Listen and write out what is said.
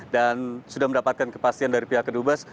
dan sudah mendapatkan kepastian dari pihak kedubas